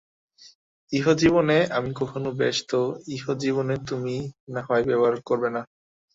ইহজীবনে আমি কখনো– বেশ তো, ইহজীবনে তুমি নাহয় ব্যবহার করবে না।